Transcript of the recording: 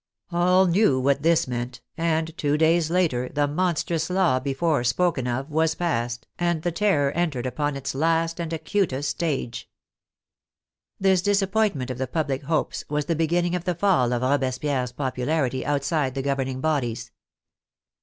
All knew what this meant, and two days later the monstrous law before spoken of was passed, and the Terror entered upon its last and acutest stage. This disappointment of the public hopes was the be ginning of the fall of Robespierre's popularity outside the ^^ THE FRENCH REVOLUTION governing bodies.